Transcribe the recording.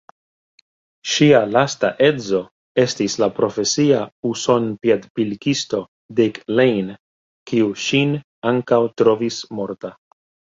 Ŝia lasta edzo estis la profesia uson-piedpilkisto Dick Lane, kiu ŝin ankaŭ trovis morta.